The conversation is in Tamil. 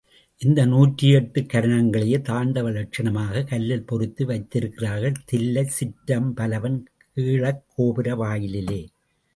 இந்த நூற்றி எட்டு கரணங்களையே தாண்டவ லக்ஷணமாக கல்லில் பொறித்து வைத்திருக்கிறார்கள், தில்லைத் திருச்சிற்றம்பலவன் கீழக் கோபுர வாயிலிலே.